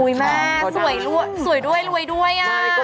ภูมิมากสวยด้วยรวยด้วยอ่ะ